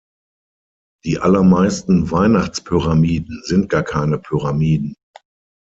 Die allermeisten Weihnachtspyramiden sind gar keine Pyramiden.